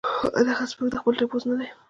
دغه سپک د خپل تپوس نۀ دي